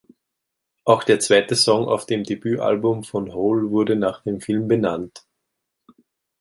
Auch der zweite Song auf dem Debütalbum von Hole wurde nach dem Film benannt.